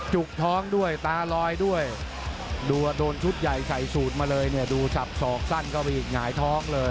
จุกท้องด้วยตาลอยด้วยดูโดนชุดใหญ่ใส่สูตรมาเลยดูสับสองสั้นก็อีกหงายท้องเลย